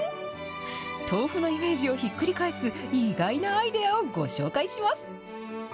豆腐のイメージをひっくり返す意外なアイデアをご紹介します。